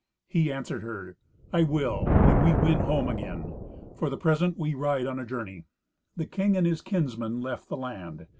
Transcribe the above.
He answered her, "I will, when we win home again. For the present we ride on a journey." The king and his kinsmen left the land.